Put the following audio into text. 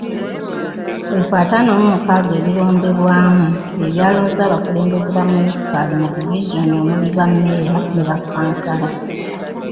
Ebifo ataano mu mukaaga ebironderwamu bye byalonze abakulembeze ba munisipaali ne divizoni omuli bammeeya ne bakkansala.